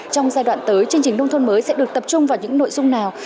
trong giai đoạn tới chương trình nông thôn mới sẽ được tập trung vào những nội dung nào